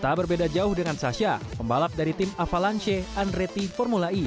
tak berbeda jauh dengan sasha pembalap dari tim avalanche andreti formula e